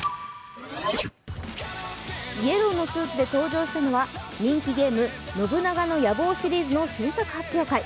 イエローのスーツで登場したのは人気ゲーム「信長の野望」の新作発表会。